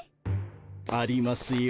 ありますよ。